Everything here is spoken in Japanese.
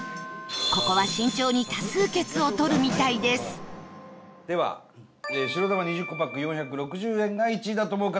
ここは、慎重に多数決をとるみたいです伊達：では、白玉２０個パック４６０円が１位だと思う方。